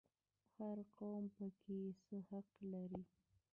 هر قوم پکې څه حق لري؟